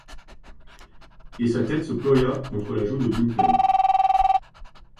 Et sa tête se ploya contre la joue de Gwynplaine.